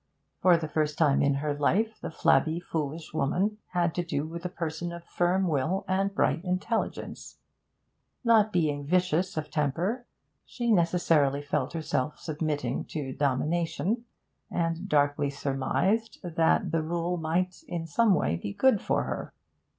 For the first time in her life the flabby, foolish woman had to do with a person of firm will and bright intelligence; not being vicious of temper, she necessarily felt herself submitting to domination, and darkly surmised that the rule might in some way be for her good.